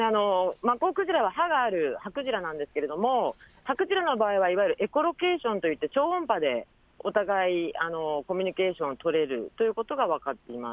マッコウクジラは歯がある、歯クジラなんですけれども、歯クジラの場合はエコロケーションという超音波でお互いコミュニケーションを取れるということが分かっています。